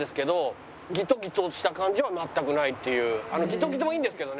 ギトギトもいいんですけどね